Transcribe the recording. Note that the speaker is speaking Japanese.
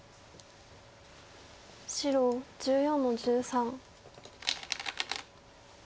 白１４の十三。